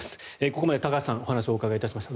ここまで高橋さんにお話をお伺いしました。